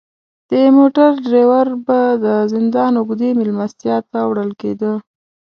د موټر دریور به د زندان اوږدې میلمستیا ته وړل کیده.